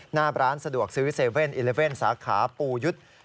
หน้าร้านสะดวกซื้อ๗๑๑สาขาปูยุทธ์